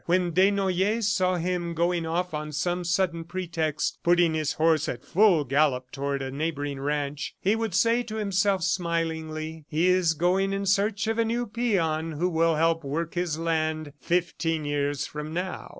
When Desnoyers saw him going off on some sudden pretext, putting his horse at full gallop toward a neighboring ranch, he would say to himself, smilingly, "He is going in search of a new peon who will help work his land fifteen years from now."